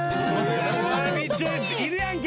いるやんけ